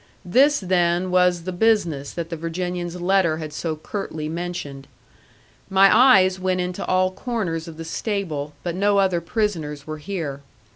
This, then, was the business that the Virginian's letter had so curtly mentioned. My eyes went into all corners of the stable, but no other prisoners were here.